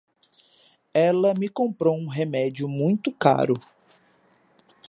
Ela me comprou um remédio muito caro.